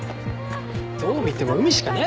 どう見ても海しかないだろ。